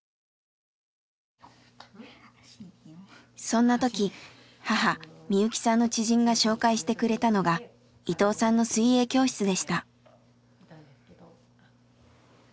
そんな時母美雪さんの知人が紹介してくれたのが伊藤さんの水泳教室でした。